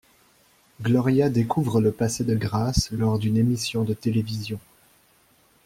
Gloria découvre le passé de Grace lors d'une émission de télévision.